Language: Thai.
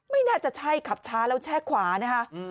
ไม่น่าจะใช่ขับช้าแล้วแช่ขวานะคะ